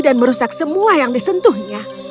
dan merusak semua yang disentuhnya